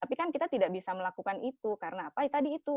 tapi kan kita tidak bisa melakukan itu karena apa tadi itu